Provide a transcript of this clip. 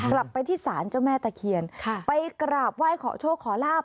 กลับไปที่ศาลเจ้าแม่ตะเคียนไปกราบไหว้ขอโชคขอลาบ